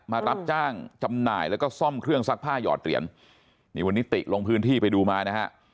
มารับจ้างจำหน่ายแล้วก็ซ่อมเครื่องซักผ้าหยอดเหรียญนี่วันนี้ติลงพื้นที่ไปดูมานะฮะ